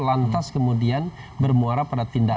lantas kemudian bermuara pada